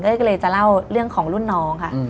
ก็เลยจะเล่าเรื่องของรุ่นน้องค่ะ